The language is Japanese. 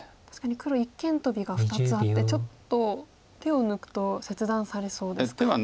確かに黒一間トビが２つあってちょっと手を抜くと切断されそうですか。